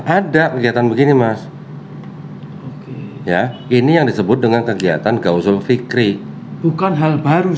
ada kegiatan begini mas ya ini yang disebut dengan kegiatan gausul fikri bukan hal baru